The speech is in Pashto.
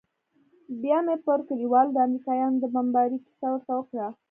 بيا مې پر كليوالو د امريکايانو د بمبارۍ كيسه ورته وكړه.